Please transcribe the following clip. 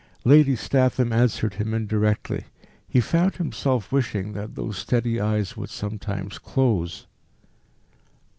Lady Statham answered him indirectly. He found himself wishing that those steady eyes would sometimes close.